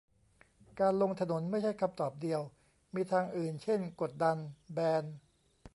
การลงถนนไม่ใช่คำตอบเดียว มีทางอื่นเช่น กดดัน แบน